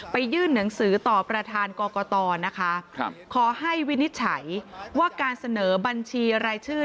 ยื่นหนังสือต่อประธานกรกตนะคะขอให้วินิจฉัยว่าการเสนอบัญชีรายชื่อ